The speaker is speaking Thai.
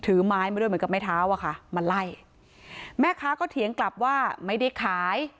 ไม้มาด้วยเหมือนกับไม้เท้าอะค่ะมาไล่แม่ค้าก็เถียงกลับว่าไม่ได้ขาย